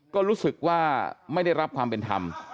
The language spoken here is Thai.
ก็รู้สึกว่าไม่ได้รับความเป็นธรรม